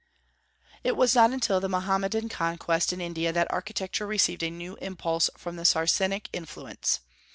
It was not until the Mohammedan conquest in India that architecture received a new impulse from the Saracenic influence.